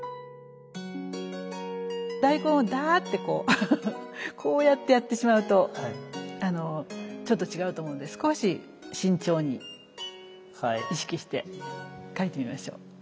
大根をダーッてこうこうやってやってしまうとちょっと違うと思うので少し慎重に意識して描いてみましょう。